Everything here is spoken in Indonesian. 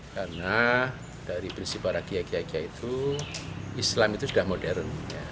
karena dari prinsip waragia wariya itu islam itu sudah modern